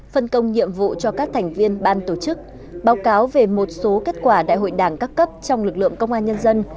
phân công nhiệm vụ cho các thành viên ban tổ chức báo cáo về một số kết quả đại hội đảng các cấp trong lực lượng công an nhân dân